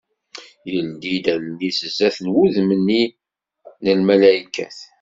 Yeldi-d allen-is sdat n wudem-nni n lmalaykat.